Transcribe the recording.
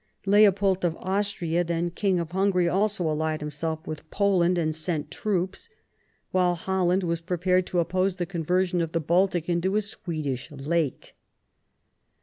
Leopold of Austria, then King of Hungary, also allied himself with Poland and sent troops, while Holland was prepared to oppose the conversion of the Baltic into a Swedish lake.